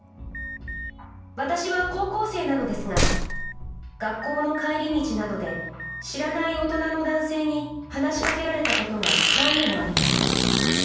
私は高校生なのですが学校の帰り道などで知らない大人の男性に話しかけられたことが何度もあります。